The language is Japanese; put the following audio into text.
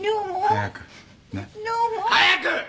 早く！